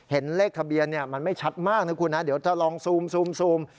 เห็นเลขทะเบียนมันไม่ชัดมากนะคุณนะเดี๋ยวถ้าลองซูม